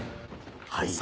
はい。